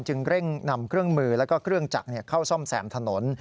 เร่งนำเครื่องมือแล้วก็เครื่องจักรเข้าซ่อมแซมถนน